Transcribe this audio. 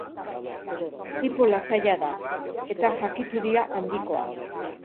Tipo lasaia da, eta jakituria handikoa.